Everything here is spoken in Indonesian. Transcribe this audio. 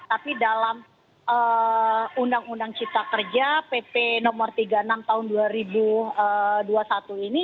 tapi dalam undang undang cipta kerja pp no tiga puluh enam tahun dua ribu dua puluh satu ini